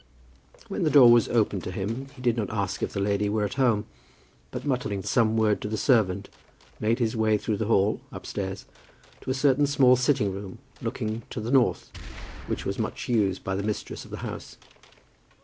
When the door was opened to him he did not ask if the lady were at home, but muttering some word to the servant, made his way through the hall, upstairs, to a certain small sitting room looking to the north, which was much used by the mistress of the house.